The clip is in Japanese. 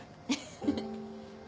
フフフ。